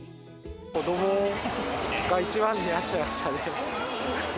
子どもが一番になっちゃいましたね。